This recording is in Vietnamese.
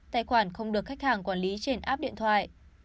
tài khoản không được khách hàng quản lý trên app điện thoại